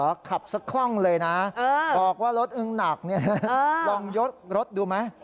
กลับขับสักครองเลยนะบอกว่ารถนักลองยกรถดูไหม